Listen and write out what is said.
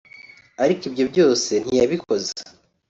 Ariko ibyo byose ntiyabikoze